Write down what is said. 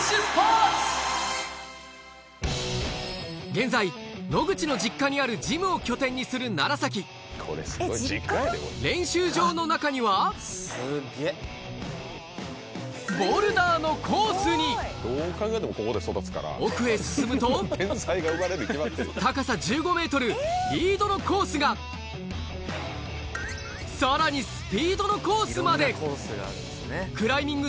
現在野口の実家にあるジムを拠点にする楢練習場の中にはのコースに奥へ進むとのコースがさらにスピードのコースまでクライミング